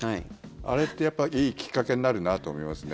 あれってやっぱりいいきっかけになるなと思いますね。